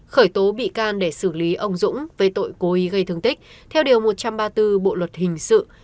khởi tố bị can để xử lý ông dũng về tội cố ý gây thương tích theo điều một trăm ba mươi bốn bộ luật hình sự